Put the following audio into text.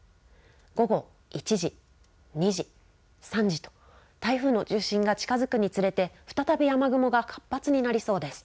午後１時、２時、３時と、台風の中心が近づくにつれて、再び雨雲が活発になりそうです。